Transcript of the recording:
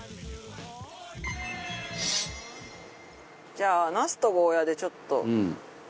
じゃあ、茄子とゴーヤーでちょっと。